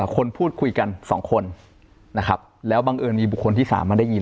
คนพูดคุยกัน๒คนนะครับแล้วบังเอิญมีบุคคลที่๓มาได้ยิน